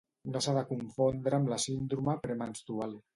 No s'ha de confondre amb la síndrome premenstrual.